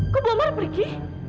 kok bu ambar pergi